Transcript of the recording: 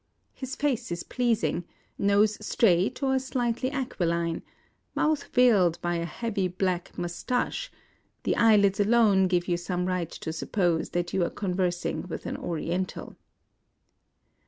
His face is pleasing, — nose straight or slightly aquiline, — mouth veiled by a heavy black moustache : the eye 138 IN OSAKA lids alone give you some right to suppose that you are conversing with an Oriental.